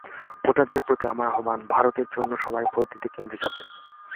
ভোটারদের প্রতি আমার আহ্বান, ভারতের জন্য সবাই ভোট দিতে কেন্দ্রে যাবেন।